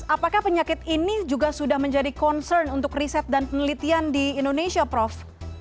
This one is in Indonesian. apakah penyakit ini juga sudah menjadi concern untuk riset dan penelitian di indonesia prof